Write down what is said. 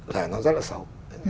là nó rất là xấu